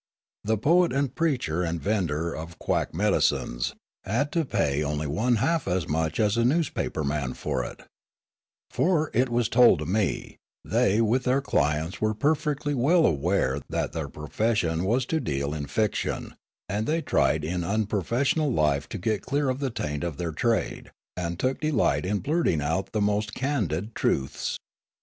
The poet and preacher and vendor of quack medicines had to pay onl}^ one half as much as a newspaper man for it ; for, it was told me, they with their clients were per fectly well aware that their profession was to deal in fiction, and they tried in unprofessional life to get clear of the taint of their trade, and took delight in blurting out the most candid truths.